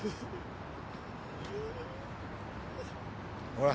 ほら。